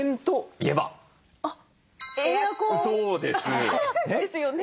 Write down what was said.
そうです。ですよね。